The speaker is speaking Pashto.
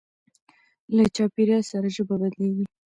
له چاپېریال سره ژبه بدلېږي.